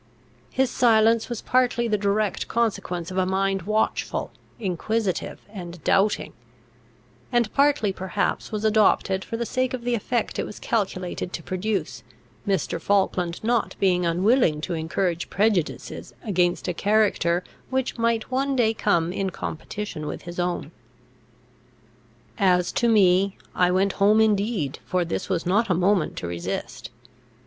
His silence was partly the direct consequence of a mind watchful, inquisitive, and doubting; and partly perhaps was adopted for the sake of the effect it was calculated to produce, Mr. Falkland not being unwilling to encourage prejudices against a character which might one day come in competition with his own. As to me, I went home indeed, for this was not a moment to resist.